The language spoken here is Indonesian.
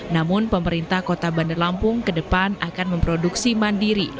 namun pemerintah kota bandar lampung ke depan akan memproduksi mandiri